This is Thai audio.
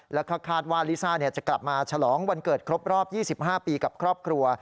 แล้วก็คาดว่าลิซ่าจะกลับมาฉลองวันเกิดครบรอบ๒๕ปีกับครอบครัว